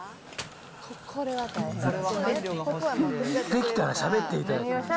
できたらしゃべっていただけると。